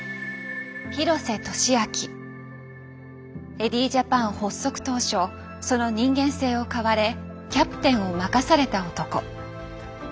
エディー・ジャパン発足当初その人間性を買われキャプテンを任された男。